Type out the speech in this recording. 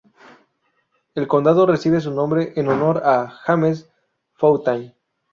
El condado recibe su nombre en honor a James Fountain.